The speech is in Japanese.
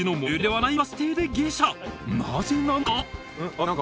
なぜなのか。